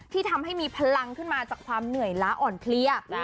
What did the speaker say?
ที่ทำให้มีพลังขึ้นมาจากความเหนื่อยล้าอ่อนเพลีย